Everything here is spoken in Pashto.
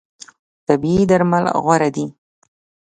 طبیعي درمل غوره دي.